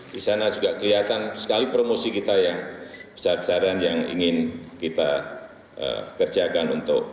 di sana juga kelihatan sekali promosi kita yang besar besaran yang ingin kita kerjakan untuk